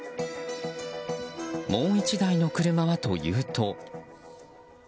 もう１台の車はというと。